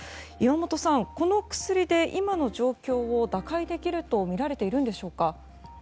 岩本さん、この薬で今の状況を打開できるとみられているんでしょうか。